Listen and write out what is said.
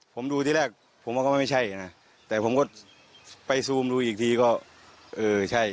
ผมดูที่แรกผมว่าเขาไม่ใช่นะแต่ผมก็ไปซูมดูอีกทีก็เออใช่